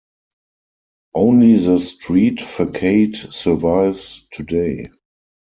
Only the street facade survives today.